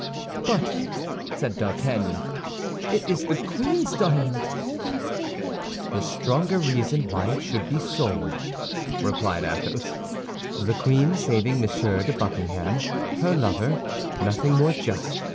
"But," said D'Artagnan, "it is the queen's diamond." "The stronger reason why it should be sold," replied Athos. "The queen saving Monsieur de Buckingham, her lover; nothing more just.